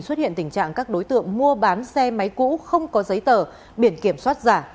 xuất hiện tình trạng các đối tượng mua bán xe máy cũ không có giấy tờ biển kiểm soát giả